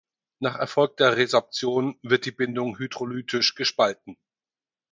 Nach erfolgter Resorption wird die Bindung hydrolytisch gespalten.